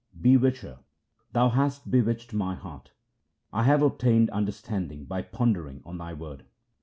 Bewitcher, Thou hast bewitched my heart ; I have obtained understanding by pondering on Thy Word.